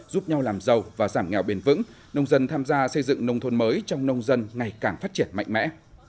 giúp nhau làm giàu và giảm nghèo bền vững nông dân tham gia xây dựng nông thôn mới trong nông dân ngày càng phát triển mạnh mẽ